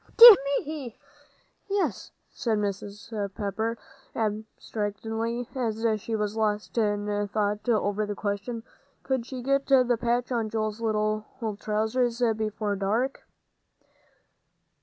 "Dear me, yes," said Mrs. Pepper, abstractedly, as she was lost in thought over the question, Could she get the patch on Joel's little trousers before dark?